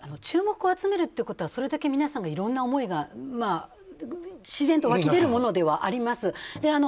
注目を集めるということはそれだけ皆さんがいろんな思いが自然と湧き出るものではあります。